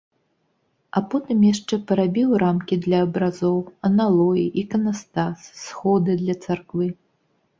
А потым яшчэ парабіў рамкі для абразоў, аналоі, іканастас, сходы для царквы.